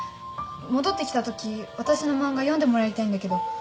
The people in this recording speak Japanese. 戻ってきたとき私の漫画読んでもらいたいんだけど。